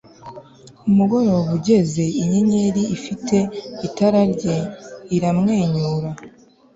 Umugoroba ugeze inyenyeri ifite itara rye iramwenyura